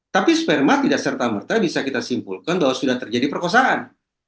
tapi sperma tidak serta merta bisa kita simpulkan bahwa sudah terjadi perkosaan